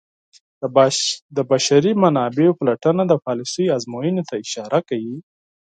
د بشري منابعو پلټنه د پالیسیو ازموینې ته اشاره کوي.